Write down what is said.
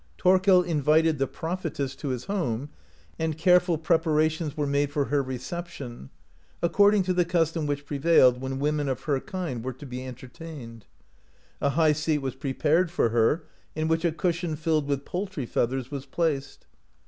Thorkel invited the prophetess to his home, and careful preparations were made for her reception, according to the custc«n which prevailed, when women of her kind were to be entertained. A high seat was prepared for her, in which a cushion filled with poultry feathers was placed.